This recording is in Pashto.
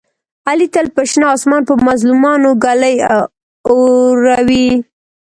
علي تل په شنه اسمان په مظلومانو ږلۍ اوروي.